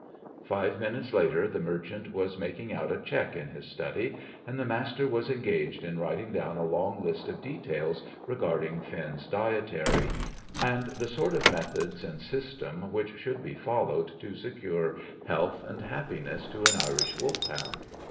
Five minutes later the merchant was making out a cheque in his study, and the Master was engaged in writing down a long list of details regarding Finn's dietary, and the sort of methods and system which should be followed to secure health and happiness to an Irish Wolfhound.